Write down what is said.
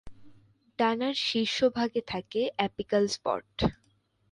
ডানার শীর্ষভাগে থাকে apical spot.